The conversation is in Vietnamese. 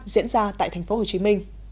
diễn ra tại tp hcm